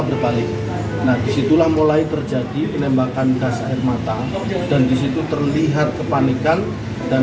berbalik nah disitulah mulai terjadi penembakan gas air mata dan disitu terlihat kepanikan dan